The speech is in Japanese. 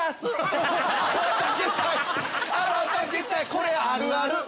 これあるある。